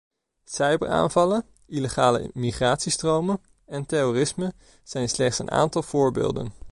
Cyberaanvallen, illegale migratiestromen en terrorisme zijn slechts een aantal voorbeelden.